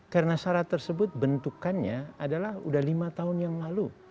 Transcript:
karena syarat tersebut bentukannya adalah sudah lima tahun yang lalu